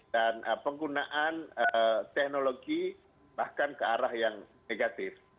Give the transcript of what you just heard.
dan penggunaan teknologi bahkan kearah yang negatif